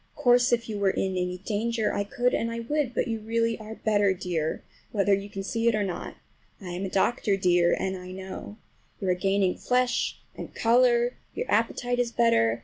Of course if you were in any danger I could and would, but you really are better, dear, whether you can see it or not. I am a doctor, dear, and I know. You are gaining flesh and color, your appetite is better.